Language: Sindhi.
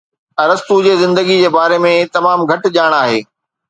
ارسطو جي زندگيءَ جي باري ۾ تمام گھٽ ڄاڻ آھي